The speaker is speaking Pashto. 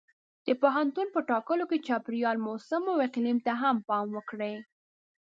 د پوهنتون په ټاکلو کې چاپېریال، موسم او اقلیم ته هم پام وکړئ.